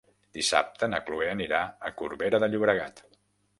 Dissabte na Chloé anirà a Corbera de Llobregat.